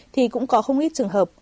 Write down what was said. thì cũng có không ít trường hợp